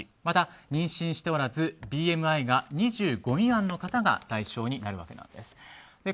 また、妊娠しておらずＢＭＩが２５未満の方が対象になるわけなんです。